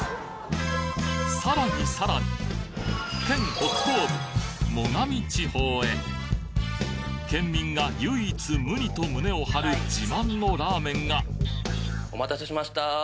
さらにさらに県北東部最上地方へ県民が唯一無二と胸を張る自慢のラーメンがお待たせしました。